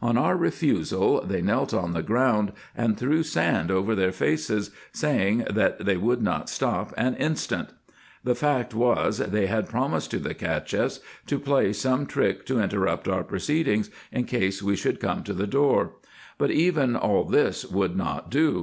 On our refusal they knelt on the ground, and threw sand over their faces, saying, that they would not stop an instant. The fact was, they had promised to the Cacheffs to play some trick to interrupt our proceedings, in case we should come to the door. But even all this would not do.